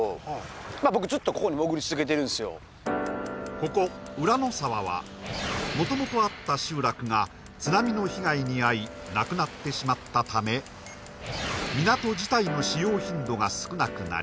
ここ浦の沢はもともとあった集落が津波の被害に遭いなくなってしまったため港自体の使用頻度が少なくなり